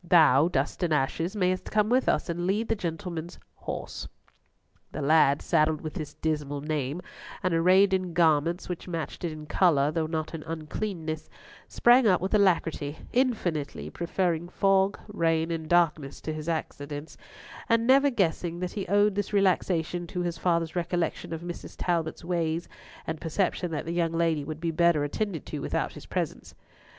Thou, Dust and Ashes, mayest come with us and lead the gentleman's horse." The lad, saddled with this dismal name, and arrayed in garments which matched it in colour though not in uncleanliness, sprang up with alacrity, infinitely preferring fog, rain, and darkness to his accidence, and never guessing that he owed this relaxation to his father's recollection of Mrs. Talbot's ways, and perception that the young lady would be better attended to without his presence.